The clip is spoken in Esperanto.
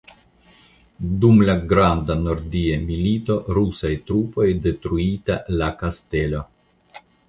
Dum la Granda Nordia Milito rusaj trupoj detruita la kastelo.